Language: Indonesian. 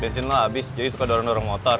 bensin lo abis jadi suka dorong dorong motor